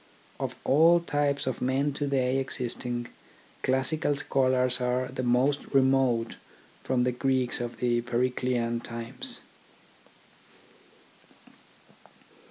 Of all types of men to day existing, classical scholars are the most remote from the Greeks of the Periclean times.